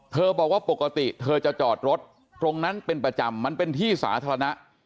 บอกว่าปกติเธอจะจอดรถตรงนั้นเป็นประจำมันเป็นที่สาธารณะ